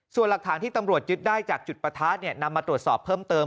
ส่วนหลักฐานที่ตำรวจยึดได้จากจุดประทะนำมาตรวจสอบเพิ่มเติม